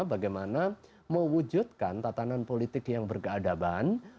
bagaimana mewujudkan tatanan politik yang berkeadaban